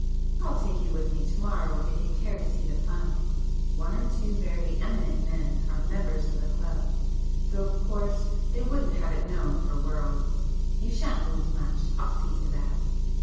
I'll take you with me to morrow if you care to see the fun,—one or two very eminent men are members of the club, though of course they wouldn't have it known for worlds. You shan't lose much—I'll see to that."